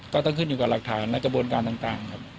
ก็ต้องขึ้นอยู่กับหลักฐานและกระบวนการต่างครับ